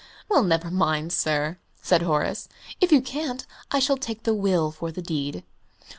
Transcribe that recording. "Well, never mind, sir," said Horace; "if you can't, I shall take the will for the deed."